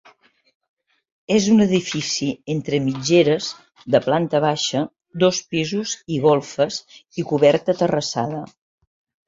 És un edifici entre mitgeres, de planta baixa, dos pisos i golfes i coberta terrassada.